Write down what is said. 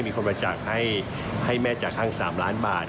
มีคนบริจาคให้แม่จากห้าง๓ล้านบาท